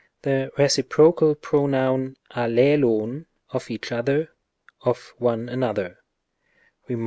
The reciprocal pronoun ἀλλήλων, of each other, of one another, Rem.